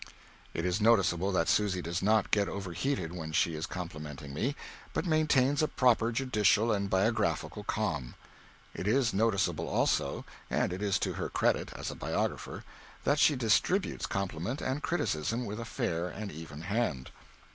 It is noticeable that Susy does not get overheated when she is complimenting me, but maintains a proper judicial and biographical calm. It is noticeable, also, and it is to her credit as a biographer, that she distributes compliment and criticism with a fair and even hand.